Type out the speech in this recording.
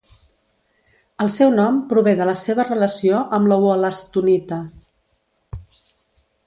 El seu nom prové de la seva relació amb la wol·lastonita.